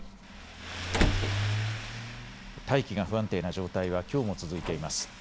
大気が不安定な状態はきょうも続いています。